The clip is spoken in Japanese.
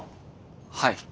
はい。